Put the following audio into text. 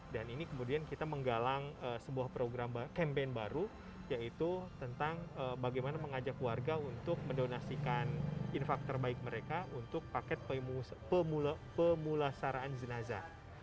dan ini kemudian kita menggalang sebuah program campaign baru yaitu tentang bagaimana mengajak warga untuk mendonasikan infarkt terbaik mereka untuk paket pemulasaraan jenazah